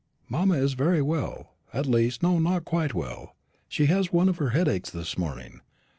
Mamma is very well; at least no, not quite well; she has one of her headaches this morning.